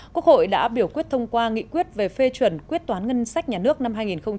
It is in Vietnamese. quốc hội đã biểu quyết thông qua nghị quyết về phê chuẩn quyết toán ngân sách nhà nước năm hai nghìn một mươi bảy